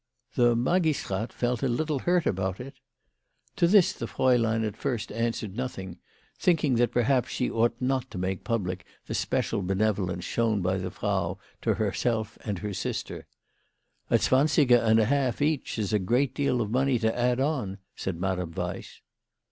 The ' Magistrat ' felt a little hurt about it." To this the fraulein at first answered nothing, thinking that perhaps she ought not to make public the special benevolence shown by the Frau to herself and her sister. " A zwansiger and a half each is a great deal of money to add on," said Madame Weiss.